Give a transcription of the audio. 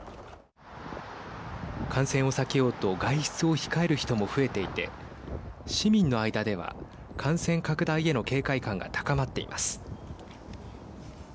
感染を避けようと外出を控える人も増えていて市民の間では感染拡大への警戒感が高まっています。